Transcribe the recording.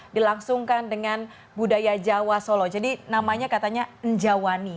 dilangsungkan dengan budaya jawa solo jadi namanya katanya enjawani